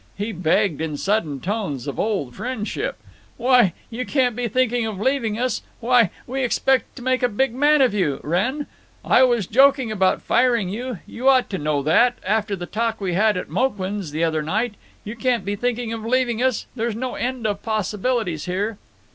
He begged, in sudden tones of old friendship: "Why, you can't be thinking of leaving us! Why, we expect to make a big man of you, Wrenn. I was joking about firing you. You ought to know that, after the talk we had at Mouquin's the other night. You can't be thinking of leaving us! There's no end of possibilities here."